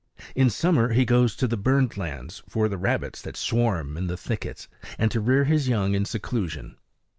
In summer he goes to the burned lands for the rabbits that swarm in the thickets, and to rear his young in seclusion.